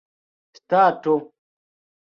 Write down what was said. stato